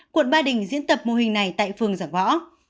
quận ba đình diễn tập mô hình này tại phường giảng võ